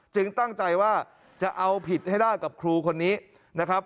ตั้งใจว่าจะเอาผิดให้ได้กับครูคนนี้นะครับ